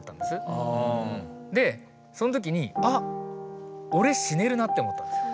でその時に「あっ俺死ねるな」って思ったんですよ。